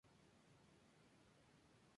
Fue producido por Danger Mouse y Ryan Tedder.